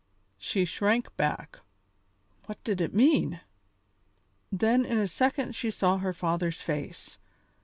She shrank back. "What did it mean?" Then in a second she saw her father's face.